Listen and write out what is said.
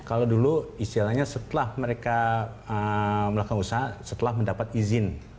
kalau dulu istilahnya setelah mereka melakukan usaha setelah mendapat izin